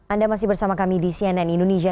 anda masih bersama kami di cnn indonesia